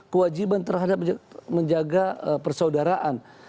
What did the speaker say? kewajiban terhadap menjaga persaudaraan